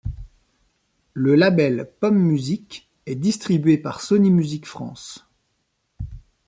Le label Pomme Music est distribué par Sony Music France.